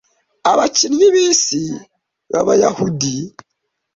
Abakinnyi b'isi b'Abayahudi